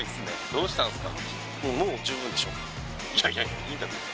どうしたんですか？